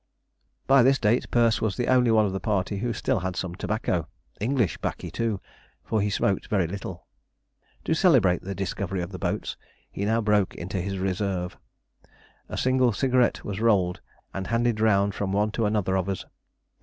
By this date Perce was the only one of the party who still had some tobacco, English 'baccy too, for he smoked very little. To celebrate the discovery of the boats, he now broke into his reserve. A single cigarette was rolled and handed round from one to another of us.